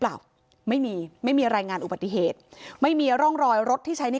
เปล่าไม่มีไม่มีรายงานอุบัติเหตุไม่มีร่องรอยรถที่ใช้ใน